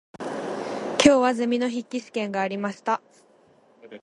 今日はゼミの筆記試験がありました。